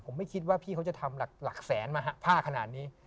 ผมไม่คิดว่าพี่เขาจะทำหลักแสนมาผ้าขนาดนี้